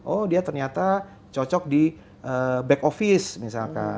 oh dia ternyata cocok di back office misalkan